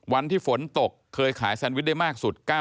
วันที่ฝนตกเคยขายแซนวิชได้มากสุด